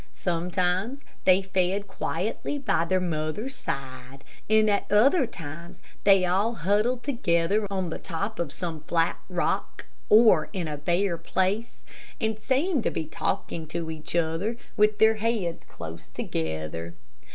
Sometimes they fed quietly by their mothers' sides, and at other times they all huddled together on the top of some flat rock or in a bare place, and seemed to be talking to each other with their heads close together.